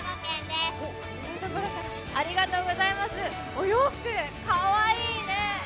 お洋服、かわいいね。